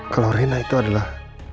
kalau rena itu adalah